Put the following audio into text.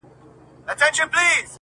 څنګ ته د میخورو به د بنګ خبري نه کوو؛